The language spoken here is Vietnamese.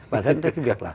và đến với cái việc là